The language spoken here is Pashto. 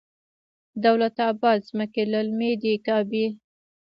دولت اباد ځمکې للمي دي که ابي؟